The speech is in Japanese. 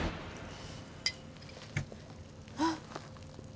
あっ。